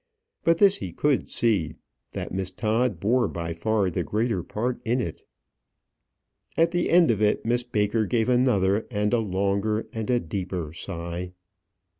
But this he could see, that Miss Todd bore by far the greater part in it. At the end of it, Miss Baker gave another, and a longer, and a deeper sigh.